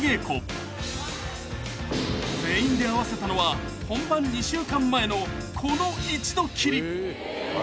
［全員で合わせたのは本番２週間前のこの一度きり］